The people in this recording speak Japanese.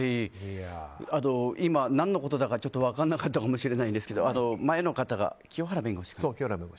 今、何のことだか分からなかったかもしれないですけど前の方、清原弁護士かな。